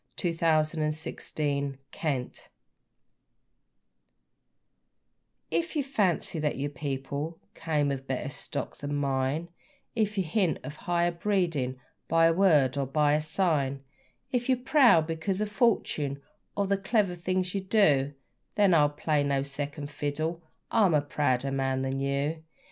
A Prouder Man Than You If you fancy that your people came of better stock than mine, If you hint of higher breeding by a word or by a sign, If you're proud because of fortune or the clever things you do Then I'll play no second fiddle: I'm a prouder man than you!